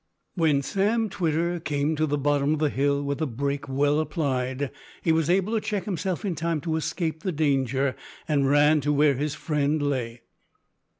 When Sam Twitter came to the bottom of the hill with the brake well applied he was able to check himself in time to escape the danger, and ran to where his friend lay.